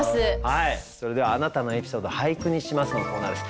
それでは「あなたのエピソード、俳句にします」のコーナーです。